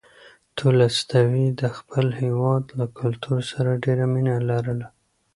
تولستوی د خپل هېواد له کلتور سره ډېره مینه لرله.